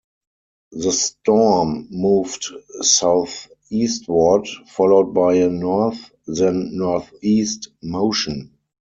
The storm moved southeastward, followed by a north, then northeast motion.